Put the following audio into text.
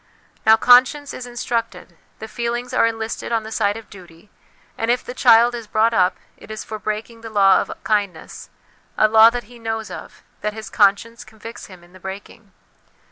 Now, conscience is instructed, the feelings are enlisted on the side of duty, and if the child is brought up, it is for breaking the law of kindness, a law that he knows of, that his conscience convicts him in the breaking.